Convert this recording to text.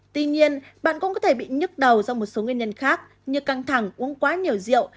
tuy nhiên bạn cũng có thể bị nhức đầu do một số nguyên nhân khác như căng thẳng uống quá nhiều rượu